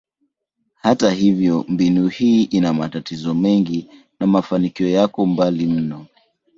Hata hivyo, mbinu hii ina matatizo mengi na mafanikio yako mbali mno.